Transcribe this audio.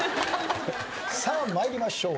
さあ参りましょう。